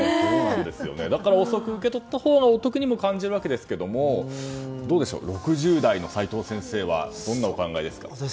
だから遅く受け取ったほうがお得にも感じるわけですがどうでしょう６０代の齋藤先生はどんなお考えですか？